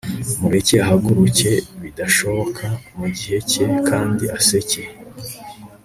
Mureke ahaguruke bidashoboka mu gihe cye kandi aseke